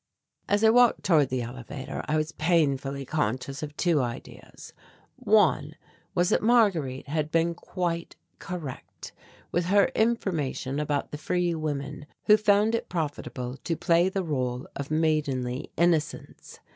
As I walked toward the elevator, I was painfully conscious of two ideas. One was that Marguerite had been quite correct with her information about the free women who found it profitable to play the rôle of maidenly innocence.